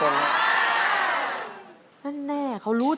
นั่นแน่เขารู้จักนะ